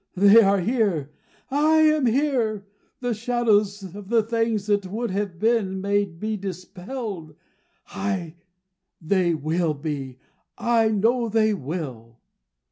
They are here, I am here, the shadows of the things that would have been may be dispelled. They will be. I know they will!"